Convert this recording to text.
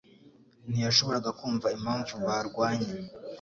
Ntiyashoboraga kumva impamvu barwanye